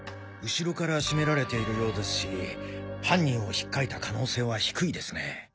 後ろから絞められているようですし犯人を引っかいた可能性は低いですね。